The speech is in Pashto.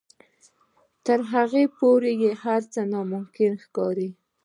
تر هغې پورې هر څه ناممکن ښکاري.